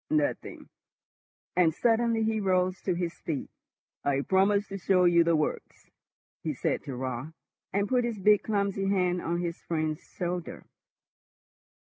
"Nothing;" and suddenly he rose to his feet. "I promised to show you the works," he said to Raut, and put his big, clumsy hand on his friend's shoulder.